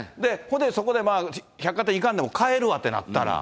そこで百貨店行かんでも買えるわってなったら。